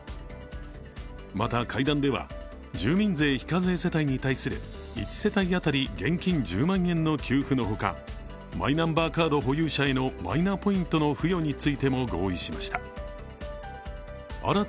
また、会談では住民税非課税世帯に対する１世帯当たり現金１０万円の給付のほかマイナンバーカード保有者へのマイナポイントの付与についても合意しました。